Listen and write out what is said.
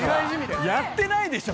やってないでしょ！